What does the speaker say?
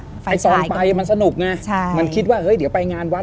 คอนบริมท์ไอ้สองไปมันสนุกมั้ยมันคิดว่าเฮ้ยเดี๋ยวไปงานวัด